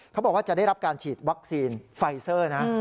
เขาบอกว่าจะได้รับการฉีดวัคซีนไฟเซอร์นะ